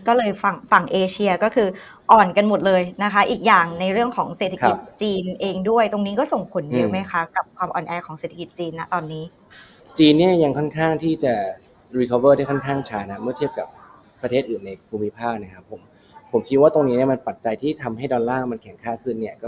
ก็คืออ่อนกันหมดเลยนะคะอีกอย่างในเรื่องของเศรษฐกิจจีนเองด้วยตรงนี้ก็ส่งผลอยู่ไหมคะกับความอ่อนแอของเศรษฐกิจจีนนะตอนนี้จีนเนี้ยยังค่อนข้างที่จะที่ค่อนข้างชานะครับเมื่อเทียบกับประเทศอื่นในความพิพาคนะครับผมผมคิดว่าตรงนี้เนี้ยมันปัจจัยที่ทำให้ดอลลาร์มันแข็งค่าขึ้นเนี้ยก